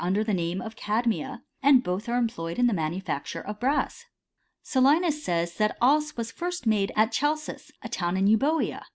under the name of cadmia, and both are employed in the manufacture of brass. Solinus says, that cea was first made at Chalcis, a town in Eubcea.